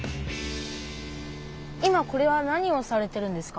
今これは何をされてるんですか？